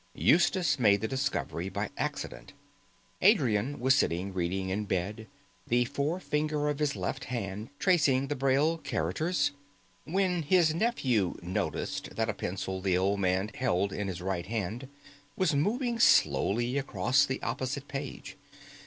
Eustace made the discovery by accident. Adrian was sitting reading in bed, the forefinger of his left hand tracing the Braille characters, when his nephew noticed that a pencil the old man held in his right hand was moving slowly along the opposite page.